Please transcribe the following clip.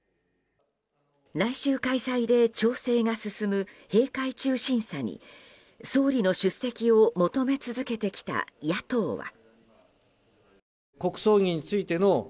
来週開催で調整が進む閉会中審査に総理の出席を求め続けてきた野党は。